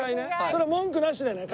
それ文句なしでね。